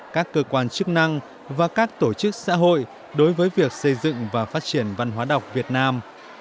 các cơ quan chức năng và các tổ chức xã hội đối với việc xây dựng và phát triển văn hóa đọc việt nam